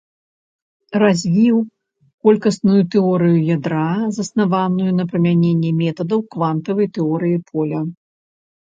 Развіў колькасную тэорыю ядра, заснаваную на прымяненні метадаў квантавай тэорыі поля.